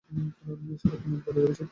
সারাক্ষণ এক বালের অভিশাপ নিয়ে পড়ে আছে।